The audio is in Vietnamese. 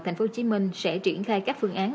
tp hcm sẽ triển khai các phương án